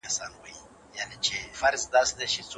آیا وطن د سولې او ثبات په لور روان دی؟